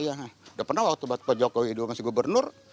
udah pernah waktu pak jokowi itu masih gubernur